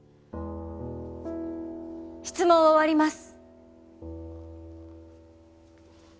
質問を終わります。